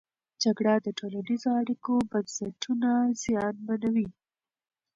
جګړه د ټولنیزو اړیکو بنسټونه زیانمنوي.